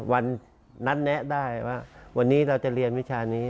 วันนั้นแนะได้ว่าวันนี้เราจะเรียนวิชานี้